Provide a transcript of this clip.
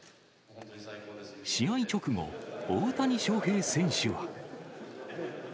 試合直後、大谷翔平選手は。